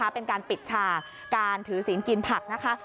เป็นการปิดฉากการถือศีลกินผักนะคะ